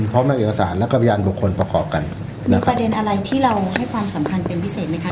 พร้อมในเอกสารแล้วก็พยานบุคคลประกอบกันประเด็นอะไรที่เราให้ความสำคัญเป็นพิเศษไหมคะ